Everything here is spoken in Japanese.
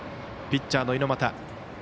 ピッチャーの猪俣。